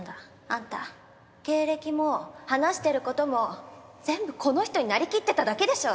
あんた経歴も話してることも全部この人になりきってただけでしょ。